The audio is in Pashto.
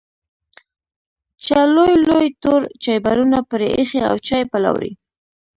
چا لوی لوی تور چایبرونه پرې ایښي او چای پلوري.